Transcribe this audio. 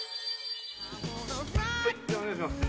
・じゃあお願いします。